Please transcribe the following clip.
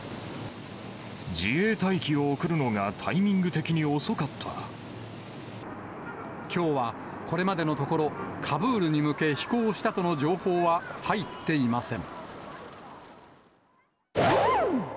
自衛隊機を送るのがタイミンきょうはこれまでのところ、カブールに向け飛行したとの情報は入っていません。